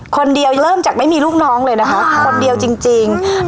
คนเดียวเริ่มจากไม่มีลูกน้องเลยนะคะคนเดียวจริง